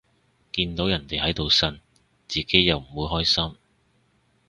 見到人哋喺度呻，自己又唔會開心